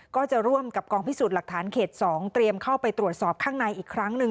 ก็จะร่วมกับกองพิสูจน์หลักฐานเขต๒เตรียมเข้าไปตรวจสอบข้างในอีกครั้งหนึ่ง